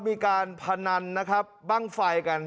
มีการพนันนะครับบ้างไฟกัน